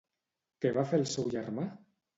Què va fer al seu germà?